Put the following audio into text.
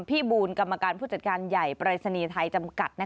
บูลกรรมการผู้จัดการใหญ่ปรายศนีย์ไทยจำกัด